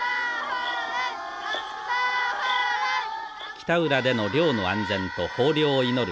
北浦での漁の安全と豊漁を祈る